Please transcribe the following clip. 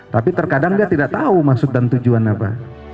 tapi terkadang dia tidak tahu maksud dan tujuan apa